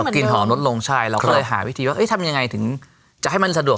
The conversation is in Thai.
กลิ่นหอมลดลงใช่เราก็เลยหาวิธีว่าทำยังไงถึงจะให้มันสะดวก